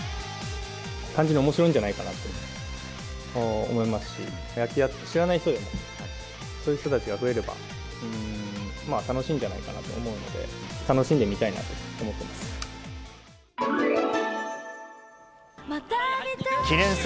単純におもしろいんじゃないかなと思いますし、野球を知らない人でも、そういう人たちが増えれば、楽しいんじゃないかなと思うので、楽しんで見たいなと思ってます。